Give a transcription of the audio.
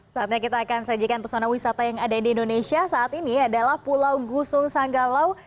saatnya kita akan sajikan pesona wisata yang ada di indonesia saat ini adalah pulau gusung sanggalau